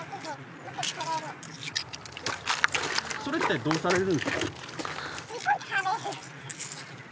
それってどうされるんですか？